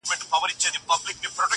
دهقان څه چي لا په خپل کلي کي خان وو.!